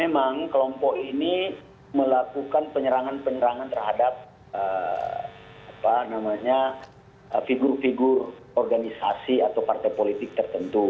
memang kelompok ini melakukan penyerangan penyerangan terhadap figur figur organisasi atau partai politik tertentu